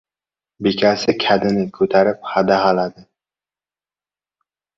Bekasi kadini ko‘tarib hadahaladi.